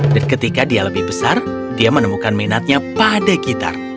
dan ketika dia lebih besar dia menemukan minatnya pada gitar